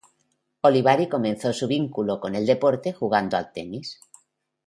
Olivari comenzó su vínculo con el deporte jugando al tenis.